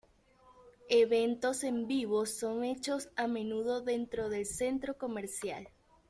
Eventos en vivos son hechos a menudo dentro del centro comercial.